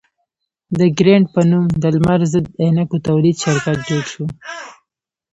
د ګرېنټ په نوم د لمر ضد عینکو تولید شرکت جوړ شو.